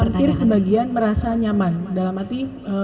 jadi hampir sebagian merasa nyaman dalam arti